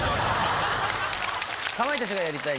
かまいたちがやりたい